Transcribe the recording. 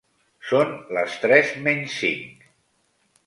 Son les tres menys cinc!